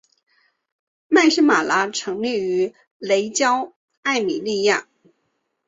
麦丝玛拉成立于雷焦艾米利亚。